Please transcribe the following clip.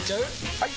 ・はい！